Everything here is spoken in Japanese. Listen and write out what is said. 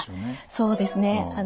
そうですね。